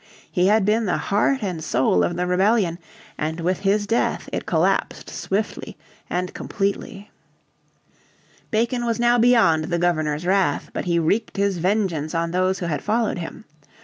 He had been the heart and soul of the rebellion, and with his death it collapsed swiftly and completely. Bacon was now beyond the Governor's wrath, but he wreaked his vengeance on those who had followed him.